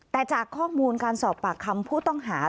แต่จากข้อมูลการสอบปากคำผู้ต้องหา